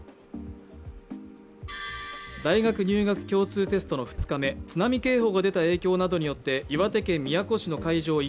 大学入学共通テストの２日目、津波警報が出た影響などによって、岩手県宮古市の会場